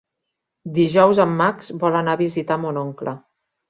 Dijous en Max vol anar a visitar mon oncle.